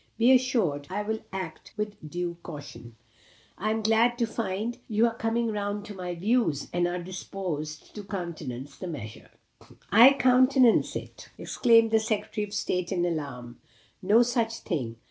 "Be assured I will act with due caution. I am glad to find you are coming round to my views, and are disposed to countenance the measure." "I countenance it!" exclaimed the Secretary of State, in alarm. "No such thing.